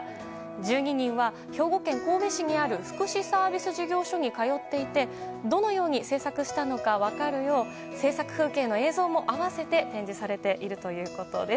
１２人は兵庫県神戸市にある福祉サービス事業所に通っていてどのように制作したのか分かるよう制作風景の映像も併せて展示されているということです。